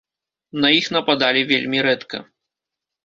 На іх нападалі вельмі рэдка.